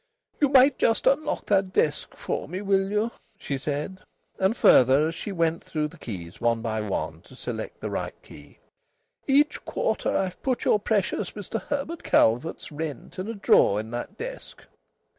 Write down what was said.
"You might just unlock that desk for me, will you?" she said. And, further, as she went through the keys one by one to select the right key: "Each quarter I've put your precious Mr Herbert Calvert's rent in a drawer in that desk.